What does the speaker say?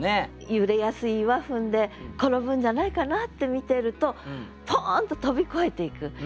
揺れやすい岩踏んで転ぶんじゃないかなって見てるとポーンと飛び越えていく。